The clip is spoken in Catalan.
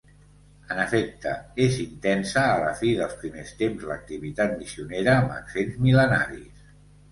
En efecte, és intensa a la fi dels primers temps l'activitat missionera amb accents mil·lenaris.